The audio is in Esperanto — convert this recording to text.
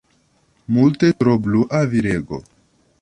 Multe tro blua, virego.